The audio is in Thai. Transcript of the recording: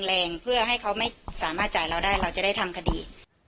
แรงเพื่อให้เขาไม่สามารถจ่ายเราได้เราจะได้ทำคดี